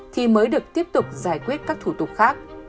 thì mới được tiếp tục giải quyết các thủ tục khác